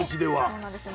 そうなんですよ。